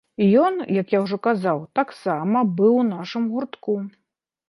Ён, як я ўжо казаў, таксама быў у нашым гуртку.